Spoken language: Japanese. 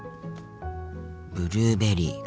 ブルーベリーか。